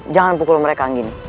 jangan pukul mereka anggini